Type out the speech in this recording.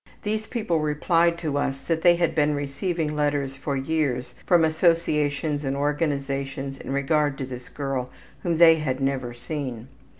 These people replied to us that they had been receiving letters for years from associations and organizations in regard to this girl whom they had never seen.